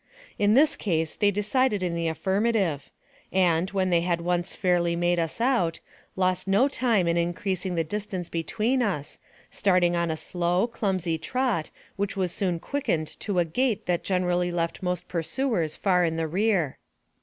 In this case they decided in the affirmative, and, when they had once fairly made us out, lost no time in increasing the distance between us, starting on a slow, clumsy trot, which was soon quickened to a gait that generally left most pursuers far in the rear.